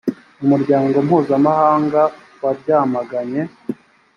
umuryango mpuzamahanga wabyamaganye.